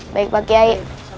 baik pak kiai